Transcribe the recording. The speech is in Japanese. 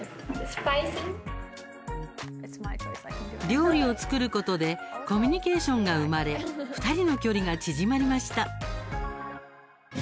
料理を作ることでコミュニケーションが生まれ２人の距離が縮まりました。